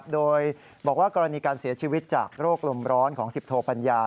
โดยบอกว่ากรณีการเสียชีวิตจากโรคลมร้อนของ๑๐โทปัญญา